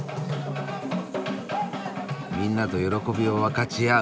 みんなと喜びを分かち合う。